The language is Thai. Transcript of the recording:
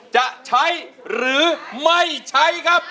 จะใช้หรือไม่ใช้ครับ